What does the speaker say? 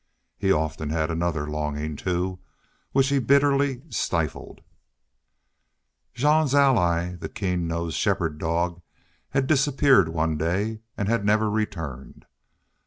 He often had another longing, too, which he bitterly stifled. Jean's ally, the keen nosed shepherd clog, had disappeared one day, and had never returned.